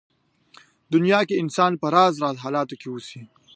دنيا کې انسان په راز راز حالاتو کې اوسي.